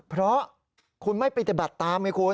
เพราะคุณไม่ปฏิบัติตามไงคุณ